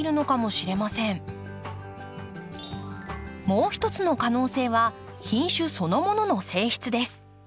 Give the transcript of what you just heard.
もう一つの可能性は品種そのものの性質です。